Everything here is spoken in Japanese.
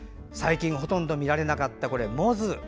最近ほとんど見られなかったもず。